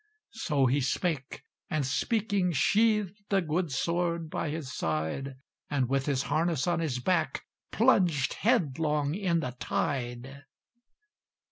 So he spake, and speaking sheathèd The good sword by his side, And with his harness on his back Plunged headlong in the tide.